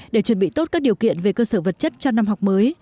để chuẩn bị tốt các điều kiện về cơ sở vật chất cho năm học mới